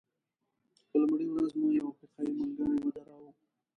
په لومړۍ ورځ مو یو افریقایي ملګری ودراوه.